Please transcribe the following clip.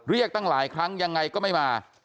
ตั้งหลายครั้งยังไงก็ไม่มา